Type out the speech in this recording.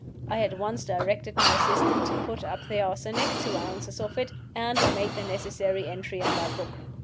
I at once directed my assistant to put up the arsenic (two ounces of it), and I made the necessary entry in my book.